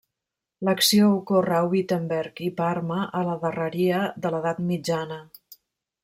L'acció ocorre a Wittenberg i Parma a la darreria de l'edat mitjana.